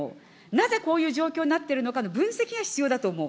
なぜこういう状況になってるのかの分析が必要だと思う。